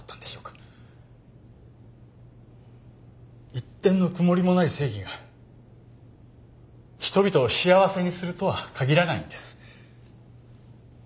一点の曇りもない正義が人々を幸せにするとは限らないんです。